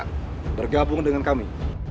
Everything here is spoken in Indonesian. kamu bersedia bergabung dengan kami